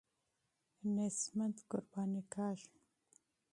غریبان قرباني کېږي.